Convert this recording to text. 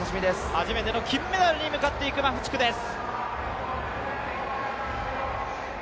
初めての金メダルに向かっていくマフチクです。